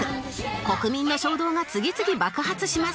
国民の衝動が次々爆発します